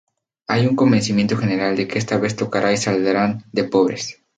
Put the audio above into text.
Hay un convencimiento general de que esta vez tocará y saldrán de pobres.